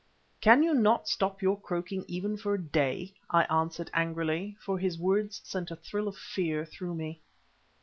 "Can you not stop your croaking even for a day?" I answered, angrily, for his words sent a thrill of fear through me.